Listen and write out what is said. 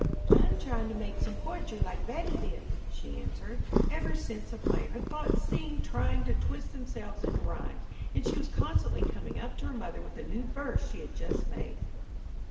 "I am trying to make some poetry like Betty did," she answered. Ever since the play her thoughts seemed trying to twist themselves into rhymes, and she was constantly coming up to her mother with a new verse she had just made.